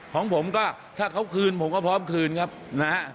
ของผมก็ถ้าเขาคืนผมก็พร้อมคืนครับนะฮะ